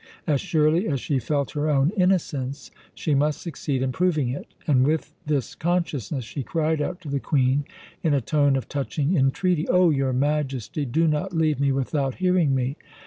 As surely as she felt her own innocence she must succeed in proving it, and with this consciousness she cried out to the Queen in a tone of touching entreaty: "O your Majesty, do not leave me without hearing me!